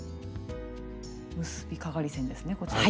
結びかがり線ですねこちらが。